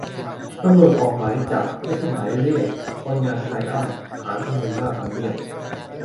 ตำรวจออก "หมายจับ" ไม่ใช่หมายเรียก คนงานไทรอัมพ์ ฐานชุมนุมหน้าทำเนียบ